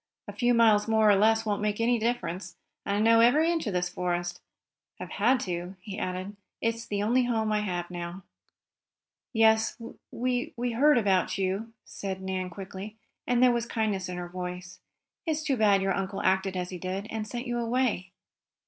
"A few miles more or less won't make any difference, and I know every inch of this forest. I've had to," he added. "It's the only home I have now." "Yes, we we heard about you," said Nan quickly, and there was kindness in her voice. "It's too bad your uncle acted as he did, and sent you away."